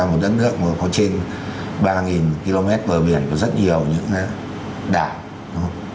một đất nước có trên ba km bờ biển có rất nhiều những đảo